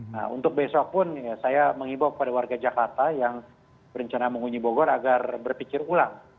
nah untuk besok pun saya mengimbau kepada warga jakarta yang berencana mengunjung bogor agar berpikir ulang